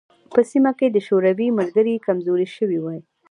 په سیمه کې د شوروي ملګري کمزوري شوي وای.